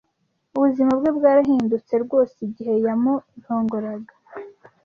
Ubuzima bwe bwarahindutse rwose igihe yamurongoraga.